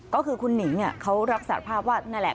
ก็คือขุนงษ์เขารักษาภาพนั่นแหละ